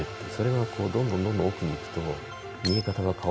それがどんどんどんどん奥に行くと。